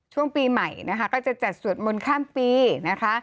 ช่วงปีใหม่นะคะก็จะจัดสวดมนต์ข้ามปีนะคะ